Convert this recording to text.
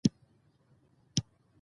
د جلغوزیو ځنګلونه ملي شتمني ده.